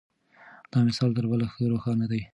دا مثال تر بل ښه روښانه دی.